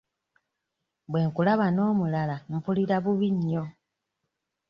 Bwe nkulaba n'omulala mpulira bubi nnyo.